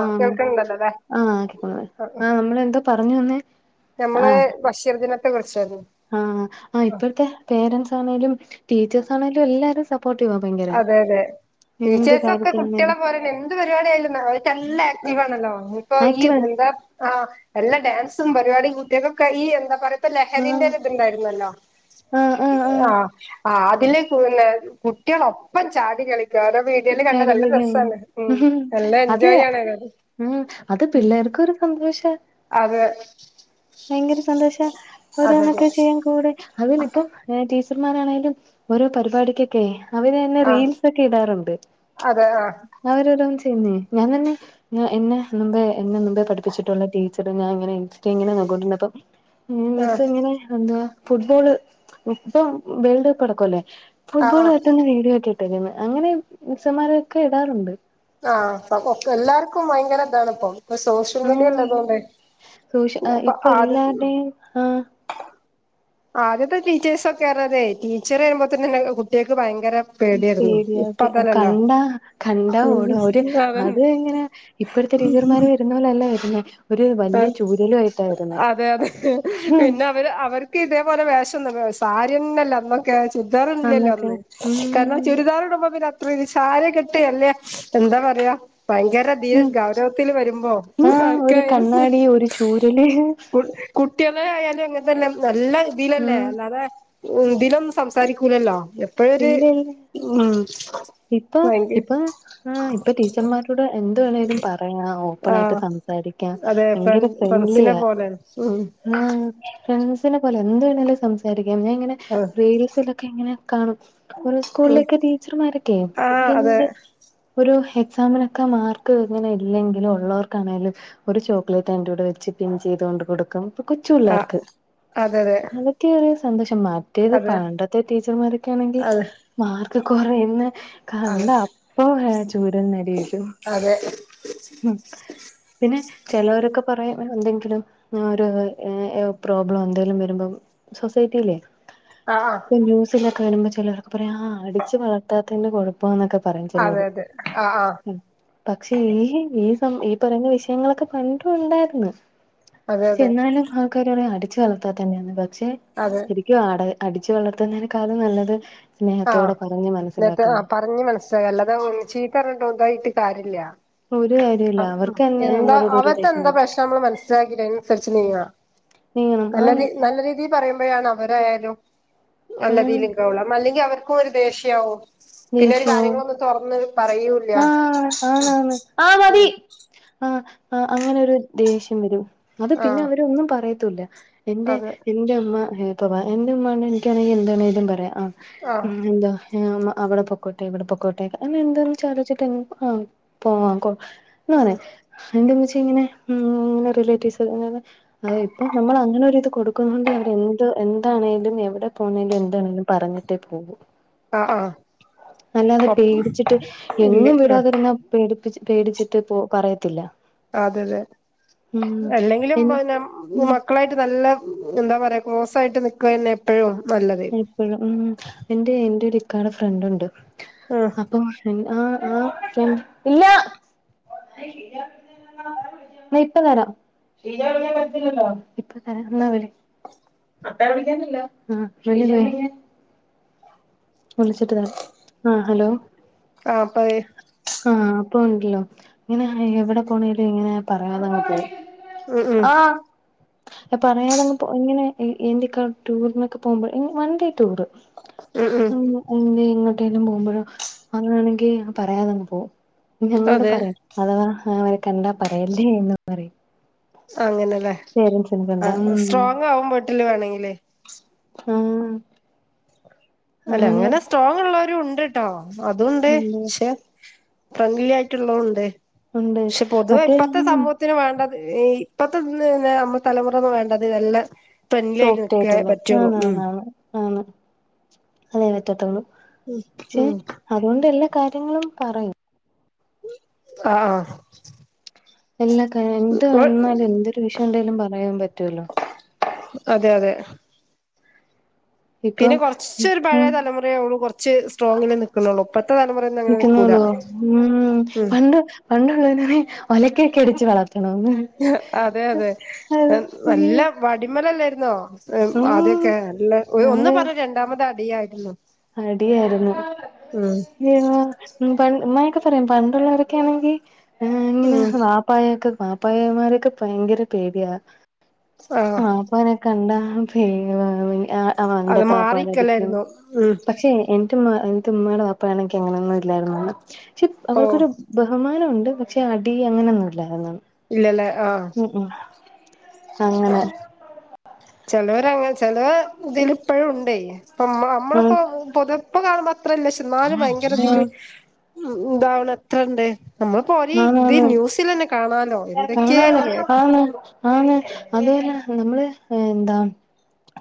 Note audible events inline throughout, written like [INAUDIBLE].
ആഹ് കേൾക്കണ്ടല്ലോ അല്ലേ ആഹ് ആക്കിക്കണ ആഹ് നമ്മൾ എന്താ പറഞ്ഞു തന്നേ ഞമ്മള് ബഷീർ ദിനത്തെ കുറിച്ചായിരുന്നു ആഹ് ആ ഇപ്പോഴത്തെ പേരന്റ്സ് ആണേലും ടീച്ചേഴസ് ആണേലും ല്ലാരും സപ്പോർട്ടീവ ഭയങ്ങര അതെ അതെ ടീച്ചേഴ്സ ഒക്കെ കുട്ടികളെ കാര്യത്തിനാണേലും പോലെ എന്ത് പരിപാടിയയലുന്ന അവ നല്ല ആക്റ്റീവ് ആഹ് ആണല്ലോ ഇപ്പോ ഈ ആക്റ്റീവാണ് എന്താ ആഹ് എല്ലാ ഡാൻസും പരിപാടി കുട്ടികൾക്കൊക്കെ ഈ എന്താ പറയാപ്പ ലഹരിന്റെ ആഹ് ണ്ടുന്നല്ലോ ആഹ് ആഹ് ആഹ് അതില ഒപ്പം ചാടി കളിക്ക അതോ വീ നല്ല അത് എൻജോയ് ആണ് ഉം അത് പിള്ളേർക്കൊരു സന്തോഷം അത് ഭയങ്കര സന്തോഷം അതെ അതെ അതെ ഓരോന്നൊക്കെ ചെയ്യാൻ കൂടെ അതിനിപ്പം ടീച്ചർമാരാണെലും ഓരോ പരിപാടിക്കൊക്കെ അവര് തന്നെ ആഹ് റീൽസ്ക്കെ ഇടാറുണ്ട് അതെ ആഹ് അവര ഓരോന്ന് ചെയ്യുന്നേ ഞാൻ തന്നെ ഞാൻ എന്നെ മുമ്പേ എന്നെ മുമ്പേ പഠപ്പിച്ചിട്ടുള്ള ടീച്ചറ് ഞാൻങ്ങനെ ഇൻസ്റ്റ ങ്ങനെ നോ [UNINTELLIGIBLE] ആഹ് മിസ് ഇങ്ങനെ എന്തുവാ ഫുട്ബോള് ഇപ്പം വേൾഡ് കപ്പ് അടക്ക അല്ലേ ആഹ് ഫുട്ബോള് ആഹ് തട്ടുന്ന വീഡിയോക്കെ ന്ന് അങ്ങനെ മിസ്സന്മാരൊക്കെ ഇടാറുണ്ട് ആഹ് എല്ലാർക്കും ഭയങ്കര ഇതാണ്പ്പം ഇപ്പൊ സോഷ്യൽ ഉം മീഡിയല്ലതൊണ്ടേ സോഷ്യ അപ്പൊ ഇപ്പൊ ആദ്യ എല്ലാരുടെയും ആഹ് ആദ്യത്തെ ടീച്ചേഴ്സ ഒക്കെ അറിയതെ ടീച്ചർയുമ്പോ തന്നെെ കുട്ട്യാൾക്ക് ഭയങ്കര പേടിയായിരുന്നു പേടിയ ഇപ്പ അതല്ലല്ലോ കണ്ടാ കണ്ട ഓട അവര് അത് അതന്നെ എങ്ങനെ ഇപ്പോഴത്തെ ടീച്ചർമാര് വരുന്ന പോലല്ല വരുന്നേ ഒരു വലിയ ചൂരലും ആയിട്ടാ വരുന്നേ അതെ അതെ പിന്നെ അവര് അവർക്ക് ഇതേപോലെ വേഷംന്നല്ല സാരിയന്നല്ലേ അന്ന് ചുരിദാറ ഇട്ല്ലല്ലോ അന്നൊക്കെ അന്ന് കാരണം ഉം ചുരിദാർടുമ്പന്ന സാരി കിട്ടിയല്ലേ എന്താ പറയാ ഭയങ്കര ഉം ഗൗരവത്തിൽ വരുമ്പോ ആർക്കയാലും ഇതേ ഒരു ചൂരല്. കുട്ടികളെ ആയാലും ഇങ്ങനെ തന്നെ നല്ല രീതിയിൽ അല്ലേ ഉം അല്ലാതെ. ഇതിലും സംസാരിക്കൂലല്ലോ എപ്പോഴരു ഇല്ല ഇല്ല എപ്പോഴേ ഒരു ഉം. ഇപ്പൊ ഭയങ്കര ഇപ്പൊ ആഹ് ഇപ്പൊ ടീച്ചർമാരെ ടെ എന്ത് വേണലും പറയാം ഓപ്പൺ ആയിട്ട് ആഹ് സംസാരിക്കാം അതെ ഫ്ര ഭയങ്കര ഫ്രണ്ട്സിനെ ഫ്രണ്ട്‌ലിയാ. പോലെയാണ് ഉം ആഹ് ഫ്രണ്ട്സിനെ പോലെ എന്ത് വേണേലും സംസാരിക്കാം ഞാൻ ഇങ്ങനെ. ആഹ് റീൽസ് ഒക്കെ ഇങ്ങനെ കാണും, ഒരു ഉം സ്കൂളിലൊക്കെ ടീച്ചർമാരെയൊക്കെ ആഹ് അതെ എന്ത്. ഒരു എക്സാമിനൊക്കെ മാർക്ക് ഇങ്ങനെ ഇല്ലെങ്കിലും ഉള്ളവർക്ക് ആണേലും. ഒരു ചോക്ലേറ്റ് അന്റെ കൂടെ വെച്ച് പിൻ ചെയ്തുകൊണ്ട് കൊടുക്കും, കൊച്ചു ആഹ് പിള്ളേർക്ക് അതു. അതെ മാറ്റിയ ഒരു സന്തോഷം മറ്റേത് അതെ പണ്ടത്തെ ടീച്ചർമാരൊക്കെ ആണെങ്കിൽ അതെ മാർക്ക് കുറയുന്ന. അതെ കണ്ട അപ്പൊ ഏഹ് ചൂരലിന് അടിവീഴും. അതെ ഉം പിന്നെ ചെലവരൊക്കെ പറയും എന്തെങ്കിലും. ഒരു കാര്യം ഏഹ് ഏഹ് പ്രോബ്ലം എന്തേലും വരുമ്പോ സൊസൈറ്റി ഇല്ലേ. ആഹ് ന്യൂസിൽ ഒക്കെ വരുമ്പോൾ ചിലരൊക്കെ പറയാം അടിച്ചു വളർത്താത്തതിന്റെ കുഴ പ്പനൊക്കെ പറയും ആഹ് ചെലോര് അതെ അതെ ആഹ് ആഹ് ഉം. പക്ഷെ ഈ ഈ സം ഈ പറയുന്ന വിഷയങ്ങളൊക്കെ പണ്ടും ഉണ്ടായിരുന്നു. അതെ അതെ എന്നാലും ആൾക്കാര് പറയും അടിച്ചു വളർത്താത്തന്റെ തന്നെയാണ്, പക്ഷെ. അതെ [UNINTELLIGIBLE] അടിച്ചു വളർത്തുന്നതിനേക്കാളും നല്ലത് സ്നേഹത്തോടെ പറഞ്ഞ മനസ്സിലാക്കാം. പറഞ്ഞു മനസ്സ് സ്വയം അല്ലാതെ ഒരു ചീത്ത പറഞ്ഞിട്ട് ഒന്നായിട്ട് കാര്യയില്ല. ഒരു കാര്യവുല്ല അവർക്ക് തന്നെ എന്താ നമ്മളോട് ഒരു അവർക്ക് ദേഷ്യം എന്താ വരും പ്രശ്നം നമ്മൾ മനസ്സിലാക്കിട്ട് അതിനനുസരിച്ച് നീങ്ങാ. നീ നല്ലത് ആന്ന് നല്ല രീതിയിൽ പറയുമ്പോഴാണ്. അവരായാലും നല്ല ആഹ് രീതിയിൽ നിക്കാവുള്ള അല്ലെങ്കിൽ അവർക്കും ഒരു ദേഷ്യയാവും. പിന്നെ ഒരു ദേഷ്യയാവും കാര്യങ്ങളൊന്നും തുറന്ന് പറയൂല്ല ആഹ് ആണണ് ആഹ് ഉം മതി. ആഹ് ആഹ് അങ്ങനെ ഒരു ദേഷ്യം വരും അത് പിന്നെ ആഹ് അവരൊന്നും പറയത്തുല്ല. എന്റെ അതെ എന്റെ ഉമ്മ ഇനിയിപ്പോ എന്റെ ഉമ്മ ഉണ്ടേൽ എനിക്കറിയാം എന്തു വേണേലും പറയാം ആഹ്. ആഹ് ഉം എന്താ എന്റെ ഉമ്മ. അവിടെ പൊക്കോട്ടെ ഇവിടെ പൊക്കോട്ടെ അങ്ങനെ എന്തുവാന്ന് ആലോചിച്ചിട്ട് ആഹ് പോയ്ക്കോ. ഉം എന്നുപറയും എന്റെ ഉമ്മച്ചി ഇങ്ങനെ ഉം റിലേറ്റീവ്സ് ഇങ്ങനെ. അത് ഇപ്പൊ നമ്മൾ അങ്ങനെ ഇത് കൊടുക്കുന്നത് കൊണ്ട് അവര് എന്ത് എന്താണേലും എവിടെ പോണേലും എന്താണേലും. പറഞ്ഞിട്ടേ പോകു. ആഹ് അല്ലാതെ ഒപ്പ് പേടിച്ചിട്ട് ഇല്ല എങ്ങും വിടാതിരുന്നാൽ. പേടിപ്പിച്ച് പേടിച്ചിട്ട് ഇപ്പോ പറയത്തില്ല. അതെ അതെ ഉം അല്ലെങ്കിലും എൻ ഉം മക്കളായിട്ട് നല്ല. എന്താ പറയുക ക്ലോസ് ആയിട്ട് നിക്കാ തന്നെ എപ്പോഴും നല്ലത്. എപ്പോഴും ഉം എന്റെ എന്റെ ഒരു ഇക്കാന്റെ ഫ്രണ്ട് ഉണ്ട്, ആഹ് അപ്പൊ. പിന്നെ ആഹ് ആഹ് പിന്നെ. ഇപ്പ തരാം ഇപ്പ തരാം എന്നാവിളി ഏ വിളി എടി ആഹ് ഹലോ ആഹ് പറയും. ആഹ് ഇപ്പൊ ഉണ്ടല്ലോ ഇങ്ങനെ എവിടെ പോണേലും ഇങ്ങനെ പറയാതെ അങ്ങ് പോകും. ഉം ഉം ആ പറയാതെ എങ്ങ് എങ്ങനെ എന്തൊക്ക ടൂറിനൊക്കെ പോകുമ്പോൾ വൺ ഡേ ടൂറ്. ഉം ഉം എങ്ങട്ടെല്ലും പോകുമ്പോഴോ അങ്ങാണെങ്കിൽ പറയാതെങ്ങ് പോകും ഞങ്ങളോട് അതെ പറയില്ല അഥവാ അവരെ കണ്ടാ പറയല്ലേ എന്നും പറയും അങ്ങനെയല്ലേ പേരൻസിനെ ആ കണ്ടാ ഉം സ്ട്രോങ് ആകും വിട്ടില് വേണെങ്കിലേൽ ഉം അല്ലെ അങ്ങനെ സ്ട്രോങ് ഉള്ളവരു ഉണ്ട്ട്ടോ അതുണ്ട് ഉണ്ട് ഷേ ഫ്രണ്ട്‌ലി ആയിട്ടുള്ളതൂണ്ട് ഉണ്ട് ക്ഷേ പൊതുവേ മറ്റേ ഇപ്പത്തെസമു ഇന്ന് വേണ്ടത്താഇപ്പഴത്തെന്നെ നമ്മ തലമുറയൊന്നും വേണ്ടത് എല്ലാം ഫ്രണ്ട്ലി ആയി നിൽക്കേ പറ്റുള്ളൂ ഉ ആണ് അതെ പറ്റത്തുള്ളൂ ഉം പക്ഷെ ഉം അതുകൊണ്ട് എല്ലാ കാര്യങ്ങളും പറയും ആഹ് ഹഹു എല്ലാ കഴിഞ്ഞിട്ട് എന്ത് വന്നാലു ന്തൊരു വിഷയം ണ്ടേലും പറയാൻ പറ്റുവല്ലോ അതെ അതെ ഇപ്പം പിന്നെ കുറച്ചൊരു ഉം പഴയ തലമുറയേള്ളൂ കൊറച്ച് സ്ട്രോങ്ങില് നിൽക്കുന്നുള്ളൂ ഇപ്പഴത്തെ തലമുറൊന്നും അങ്ങനെ നിക്കൂല ഉമ് ഉം പണ്ട് പണ്ടുള്ളതിനെ ഒലക്കൊക്കെ ടിച് വളർത്തണന്ന് അതെ തെ നല്ല അയ്യോ വടിമലല്ലായിരുന്നോ ആദ്യ ഉം ഒക്കെ അല്ല ഒന്ന് നമ്മള് പറഞ്ഞ രണ്ടാമത് അടിയായിരുന്നു അടിയായിരുന്നു ഉം അയ്യോ ഇങ്ങനെ ഒക്കെ പറയും പണ്ടുള്ളോരൊക്കെ ആണെങ്കിൽ ഏയി ഇങ്ങനെ ഉം വാപ്പായൊക്കെ വാപ്പനൊക്കെ ഭയങ്കര പേടിയാ ആഹ് വാപ്പനെ കണ്ടാ പേടിയാ അത് മാറിക്കലായിരുന്നു ഉം പക്ഷെ എന്റെ എന്റെ ഉമ്മയുടെ വാപ്പാനെ ഒക്കെ അങ്ങനെ ഒന്നും ഇല്ലായിരുന്നുണ്ട് പക്ഷെ ഓ അവർക്കൊരു ബഹുമാനം ണ്ട് പക്ഷെ അടി അങ്ങനെയൊന്നുമില്ലായിരുന്നു ഇല്ലല്ലേ ആഹ് ഉം ഉ അങ്ങനെ ചിലൊര ചെലെ ഇതില് ഇപ്പഴും ഉണ്ട മ്മ ആഹ് നമ്മളിപ്പോ പൊതിപ്പ കാണുമ്പോ അത്രല്ലക്ഷെ എന്നാലും ഭയങ്കര ഇതിയില് ആഹ് ഇന്ത വണ എത്രണ്ട് നമ്മളിപ്പോ ഒ ആന്ന് ഇത് ആന്ന് ന്യൂസൽന്നെ കാണാലോ എന്തൊക്കെയന്ന് കേക്ക ആണ് അതുപോലെ നമ്മള് എന്താ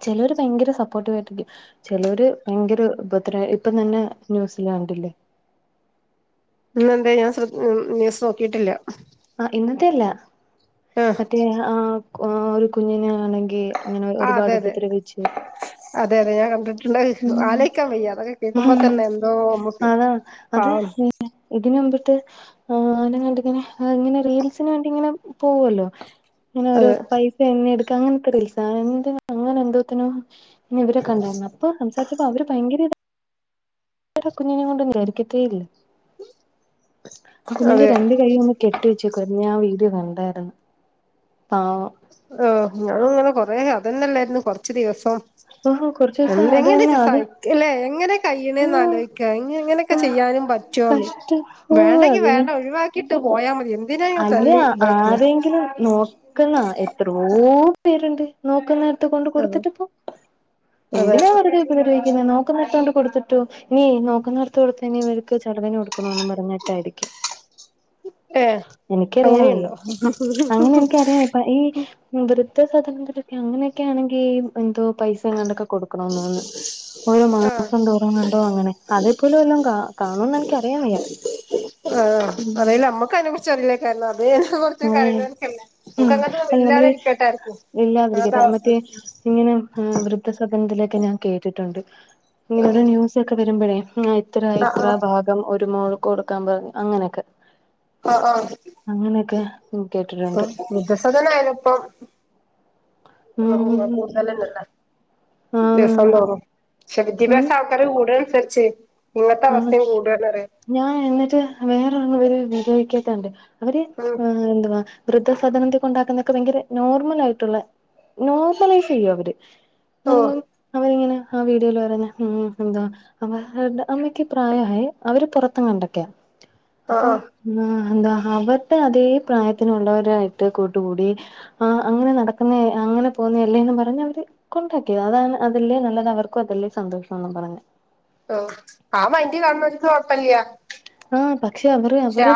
ചിലര് ഭയങ്കര സപ്പോർട്ടീവാട്ടിരിക്കും ചിലര് ഭയങ്കര ഉപ ഇപ്പം തന്നെ ന്യൂസില് കണ്ടില്ലേ ഇന്നെന്താ ഞാൻ ശ്ര ന്യൂസ്‌ നോക്കിയിട്ടില്ല ആ ഇന്നത്തെ അല്ല ആഹ് മറ്റേ ആ ഒരു കുഞ്ഞിനെ ആണെങ്കിൽ അങ്ങനെ ആഹ് ഒരുപാട് അതെ അതെ ഉപദ്രവിച്ച് അതെ അതെഞാൻ കണ്ട ഉം ആലോയ്ക്കാൻ വയ്യ അതൊക്കെ കേക്കുമ്പോ ഉം തന്നെ എന്തോ നമ്മക്ക് പാവം ഇതിനന് മ്പട്ട് ആ അനെ കണ്ടിങ്ങനെ ഇങ്ങനെ റീൽസിന് വേണ്ടി ഇങ്ങനെ പോവല്ലോ അങ്ങനെ ഓരോ അതെ പൈസ തെ എടുക്കാം അങ്ങനെ [UNINTELLIGIBLE] അങ്ങനെ എന്തോത്തിനും നി ഇവരൊെ കണ്ടായിരുന്നു അപ്പ സംസാരിക്കപ്പോ അവര് ഭയങ്കര കുഞ്ഞിനെ കൊണ്ട് വിചാരിക്കത്തെ ഇല്ല ആ അതെ കുഞ്ഞിന്റെ രണ്ട് കൈ കെട്ടിവെച്ച കൊഞ്ഞ ആ വീഡിയോ കണ്ടായിരുന്നു പാവം ഞാന ഇങ്ങനെ കൊറ അതന്നല്ലായിരുന്നു കൊറച്ച് ദിവസം ഓഹ് കൊറച്ച എ എങ്ങനെല്ലെ സഹിക് എങ്ങനെ കൈ്യണേന്ന് ഉം ആലോയിക്കങ്ങനെ ചെയ്യാനും പറ്റോന്ന് കഷ്ട ഓ വേണ്ടെങ്കി അതിന് വേണ്ട ഒഴിവാക്കിട്ട് പോയാ മതി എന്തിനാ ഇങ്ങനെ അല്ല തല്ലി ഇതാക്കണെ ആരെങ്കിലും നോക്കണാ എത്രോ പേര്ണ്ട്. നോക്കുന്നേട്ത്ത് കൊണ്ട് അതെ കൊട്ത്തിട്ട് പ്പൊ അതെ എന്തിനാ വെറുതെ ക്ക നോക്ക്ണോട്ത്തോണ്ട് കൊട്ത്തിട്ടോ ഇനി നോക്കുന്നോട്ത്ത് കൊടുത്ത് ഇനി ഇവർക്ക് ചെലവ്ന് കൊടുക്കണോന്ന് പർഞ്ഞ് ഞ്ഞായിരിക്കും ഏഹ് എനിക്കറിയാൻ വയ്യ അങ്ങനെയുണ്ടോ അങ്ങനെ എനിക്കറിയാൻ ഇപ്പ ഈ വൃദ്ധ സദനത്തിലൊക്കെ അങ്ങനെയൊക്കെ ആണെങ്കിൽ എന്തോ പൈസങ്ങാണ്ടൊക്കെ കൊടുക്കണോന്ന് തോന്ന് രു മാസം ആഹ് [UNINTELLIGIBLE] കണ്ടോ അങ്ങനെ അതേപ്പോലും എല്ലാം കാ കാണൂന്ന് എനക്ക് അറിയാൻ വയ്യ ആഹ് ഉം അറീല്ല നമ്മക്ക് അയ്നെ കുർച്ച് അറീല്ല [UNINTELLIGIBLE] കൊർച്ച് അതെ കഴിഞ്ഞോൽക്കല്ലേ ഉം നമുങ്ങന അല്ല നമ്മള് ഇല്ലാതിരിക്കട്ടെ ആർക്കും ഇല്ലാതിരിക്കട്ടെ മറ്റേ ഇങ്ങനെ വൃദ്ധസദനത്തിലൊക്കെ ഞാൻ കേട്ടിട്ടുണ്ട്ഓരോ ന്യൂസ് ക്കെ വരുമ്പോഴേ ഇത്ര ആഹ് ഇത്ര ഭാഗം ഒരുമോൾക്ക് കൊടുക്കാൻ പറഞ്ഞു അങ്ങനെയൊക്കെ ആഹ് ആഹ് അങ്ങനെയൊക്കെ [UNINTELLIGIBLE] വൃദ്ധ സദനയാലും പ്പം ഉം കൂടുതലന്നല്ലെ ദിവസം ആന്നാന്ന് തോറും ശേ ഉം വിദ്യാഭ്യാസം ആൾക്കാര് കൂട്ണ അൻസര്ച്ചെ ഇങ്ങത്തെ അവസ്ഥിം കൂടണറേ ഞാ എന്നിട്ട് വേറെ ഒര് [UNINTELLIGIBLE] വീഡിയോക്കാത്തണ്ട് അവര് ഉം എന്തുവാ വൃദ്ധ സാദനത്തി കൊണ്ടാക്കുന്നൊക്കെ ഭയങ്കര നോർമൽ ആയിട്ടുള്ള നോർമലൈസെയ്യും അവര്. ഓഹ് അവരിങ്ങനെ ആ വീഡിയോൽ പറഞ്ഞ ഉം എന്താ [UNINTELLIGIBLE] അമ്മയ്ക്ക് പ്രായായേ അവര് പൊറത്തുംങ്ങാണ്ടക്കെയാ ആഹ് അപ്പം ആഹ് ന്നാ എന്താ അവര്ടെ അതേ പ്രായത്തിനുള്ളവരായിട്ട് കൂട്ടുകൂടി ആഹ് അങ്ങനെ നടക്കുന്നേ അങ്ങനെ പോവുന്നേ അല്ലേന്ന് പറഞ്ഞ് അവര് കൊണ്ടാക്കി. അതാണ് അതില് നല്ലത് അവർക്കും അതല്ലേ സന്തോഷം ന്നും പറഞ്ഞ് ഓഹ് ആ മൈൻഡ് കാണ്ണോൽക്ക് കൊഴപ്പില്ല. ആഹ് പക്ഷെ അവർ അവര്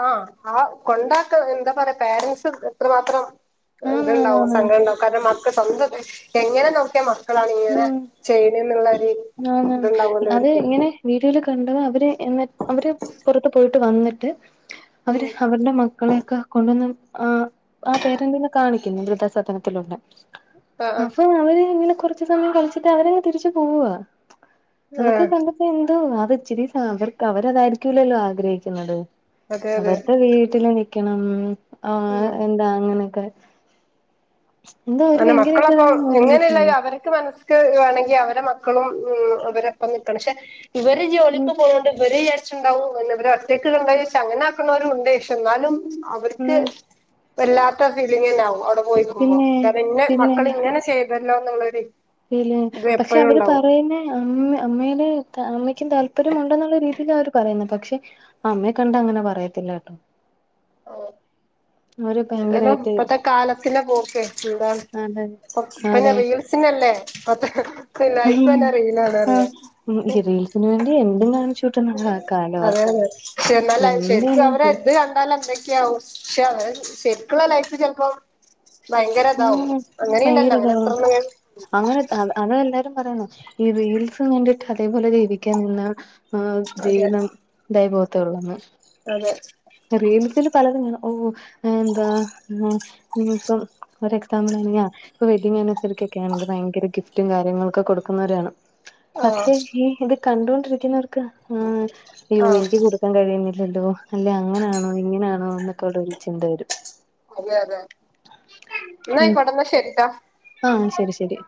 ആഹ് ആ കൊണ്ടാക്ക എന്താ പറയാ പോരന്റ്സ് എത്ര മാത്രം ത്ണ്ടാവും ആണാണാണ് സങ്കടം ണ്ടാവും കര്ണം മക്കൾ സ്വന്തം എങ്ങനെ നോക്കിയാ മ ക്കളാണ് ഇങ്ങനെ ഉം ചെയ്യ്ണെന്നുള്ളരു ഇത്ണ്ടാവല്ലോ ഇവര്ക്ക് വീഡിയോയിൽ കണ്ടത് അവര് എന്ന അവര് പൊറത്ത് പോയിട്ട് വന്നിട്ട് അവര് ഉം അവരുടെ മ ക്കളെയൊക്കെ കൊണ്ടന്നും ആ ആ പേരന്റിന്ന് കാണിക്കുന്നു വൃദസദനത്തിലുള്ള ആ അപ്പൊ അവര് ഇങ്ങനെ കൊറച്ച് സമയം കളിച്ചിട്ട് അവര് തിരിച്ചു പോവാ. ആ അതൊക്കെ കണ്ടപ്പോ എന്തോ അത് ഇച്ചിരി [UNINTELLIGIBLE] അവരതായിരിക്കല്ലല്ലോ ആഗ്രഹിക്കുന്നത്. അതെ അതെ അവര്ടെ വീട്ടില് നിക്കണം. ആ ഉം എന്താ അങ്ങനൊക്കെ [UNINTELLIGIBLE] മക്കളപ്പൊ അതിനെ നോർമലൈസ് എങ്ങനെല്ലേലും ചെയ്യുന്നു അവരെ മനസ്ക്ക് ത് വേണെങ്കി അവരെ മക്കളും ഉം അവരൊപ്പം നിൽക്കണം. ശേ ഇവര് ഉം ജോലിക്ക് പോണ്ട് ഇവര് ച്ച്ണ്ടാവും പിന്നെ ഇവരെ ഒറ്റക്ക് കൊണ്ടോയി ഷ് അങ്ങനെ ആക്ക്ണോലും ഇണ്ട്. ഷ് ന്നാലും അവര്ക്ക് ഉം വല്ലാത്ത ഫീലിംഗ് എന്നാവും അവ്ടെ പോയിക്കുമ്പോ പിന്നെ കര്ണം ഇന്നെ പിന്നെ മക്കള് ഇങ്ങനെ ചെയ്തല്ലോ ന്നുള്ളൊരു പക്ഷെ അവര് പറയുന്നെ അമ്മ അമ്മയ്ല് അമ്മയ്ക്കും താല്പര്യം ഉണ്ടെന്നുള്ള രീതിയിലാ അവര് പറയുന്നെ പക്ഷെ അമ്മയെ കണ്ട അങ്ങനെ പറയത്തില്ല കെട്ടോ എന്തേലും ഭയങ്കരായിട്ട് ഇപ്പത്തെ കാലത്തിന്റെ പോക്ക് ന്താണ് അതെ ഇപ്പന്നെ അതെ റീൽസിനല്ലേ മറ്റ ലൈഫന്നെ റീലാണ് അറി ഞാ ആഹ് ഉം ശേ റീൽസിന് വേണ്ടി എന്തും കാണിച്ച് അതെതെ ക്ഷെ എന്നാല ശര്ക്ക് എന്തായാലും അവരെ ചെയ്യും ത് കണ്ടാല് എന്തൊക്കെയാവും. ക്ഷെ അവരെ ശര്ക്കുള്ള ലൈഫ് ചെൽപ്പം ഭയങ്കരതാവും ഉം അങ്ങനീണ്ടല്ലോ ഭയങ്കര അങ്ങനെ ഇതാണ് എത്രണ്ണം ഞാൻ അങ്ങനെ അതെ എല്ലാരും പറയണ്. ഈ റീൽസിന് വേണ്ടിയിട്ട് അതേപോലെ ജീവിക്കാൻ നിന്നാ ആ അതെ ജീവിതം ഇതായി പോവെത്തെള്ളൂ എന്ന് അതെ റീൽസിൽ പലതും ഓ എന്താ ഇപ്പം ഒരു എക്സാപിൾ ആണെങ്കിൽ ആ ഇപ്പം വെഡിംഗ് അനവേസിക്കൊക്കെ ആണെങ്കിൽ ഭയങ്കര ഗിറ്റും കാര്യങ്ങളൊക്കെടുക്കുന്നവരാണ് ആഹ് പക്ഷെ ഈ ഇത് കണ്ടുകൊണ്ടിരിക്കുന്നവർക്ക് ആ അയ്യോ ആഹ് എനിക്ക് കൊടു ക്കാൻ കഴിയുന്നില്ലല്ലോ അല്ലെ അങ്ങനെയാണോ ഇങ്ങനെയാണോ എന്നൊക്കെ അവിടെ ഒരു ചിന്ത വരും അതെ അതെ ഉം എന്നയിക്കെട്ടെ ശരിട്ടെ ആഹ് ശരി ശരി